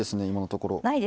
今のところ。